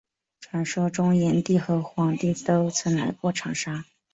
传说炎帝和黄帝都曾来过长沙。